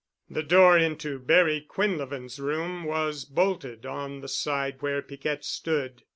The door into Barry Quinlevin's room was bolted on the side where Piquette stood.